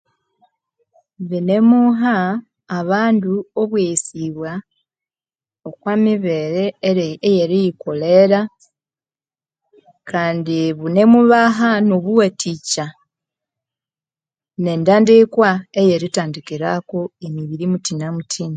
Binemuha abandu obweghesibwa okwa mibere eyeriyikolera kandi bunemubaha obuwathikya nentandikwa eyeritsuka emibiri mthina muthina